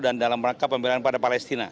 dan dalam angka pembelaan pada palestina